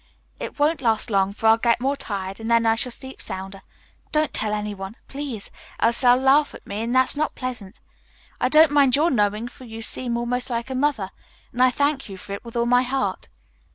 "It won't last long, for I'll get more tired and then I shall sleep sounder. Don't tell anyone, please, else they'll laugh at me, and that's not pleasant. I don't mind your knowing for you seem almost like a mother, and I thank you for it with all my heart."